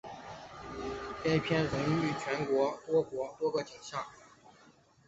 该片荣膺全球多国多个奖项。